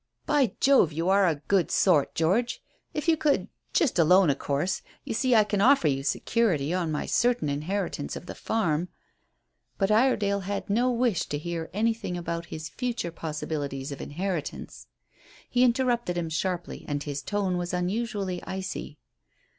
"By Jove! you are a good sort, George. If you could just a loan, of course you see I can offer you security on my certain inheritance of the farm " But Iredale had no wish to hear anything about his future possibilities of inheritance. He interrupted him sharply, and his tone was unusually icy.